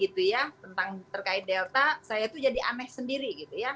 tentang terkait delta saya itu jadi aneh sendiri